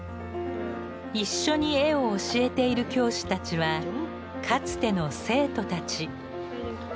一緒に絵を教えている教師たちはかつての生徒たち。